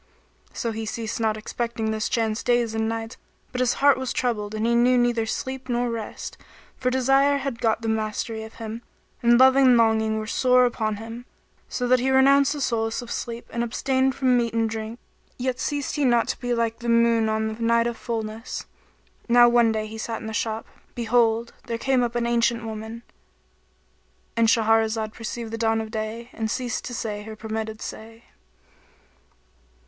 So he ceased not expecting this chance days and nights, but his heart was troubled and he knew neither sleep nor rest; for desire had got the mastery of him, and love and longing were sore upon him, so that he renounced the solace of sleep and abstained from meat and drink; yet ceased he not to be like the moon on the night of fullness. Now one day as he sat in the shop, behold, there came up an ancient woman.—And Shahrazad perceived the dawn of day and ceased to say her permitted say.